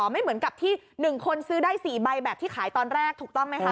ไม่เหมือนกับที่๑คนซื้อได้๔ใบแบบที่ขายตอนแรกถูกต้องไหมคะ